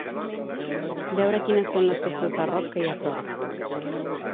Veure quines són les festes de rock que hi ha a prop.